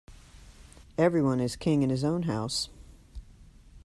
Every one is king in his own house.